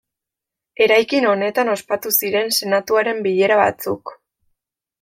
Eraikin honetan ospatu ziren Senatuaren bilera batzuk.